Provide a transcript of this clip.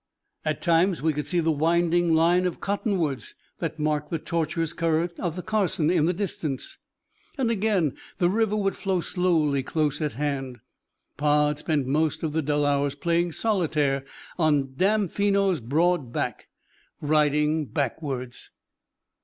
At times we could see the winding line of cotton woods that marked the tortuous current of the Carson in the distance, and again the river would flow slowly close at hand. Pod spent most of the dull hours playing solitaire on Damfino's broad back, riding backwards.